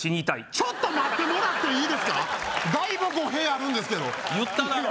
ちょっと待ってもらっていいですかだいぶ語弊あるんですけど言っただろ